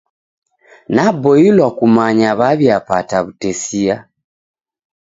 Naboilwa kumanya waw'iapata w'utesia.